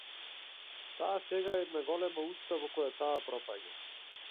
Таа сега е една голема уста во која таа пропаѓа.